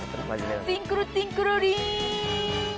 ティンクルティンクルリン。